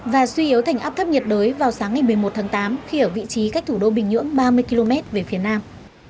và suy yếu thành áp thấp nhiệt đới vào sáng ngày một mươi một tháng tám khi ở vị trí cách thủ đô bình nhưỡng ba mươi km về phía nam